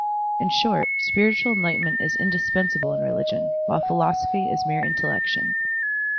In short, spiritual en lightenment is indispensable in religion, while philosophy is mere intellection.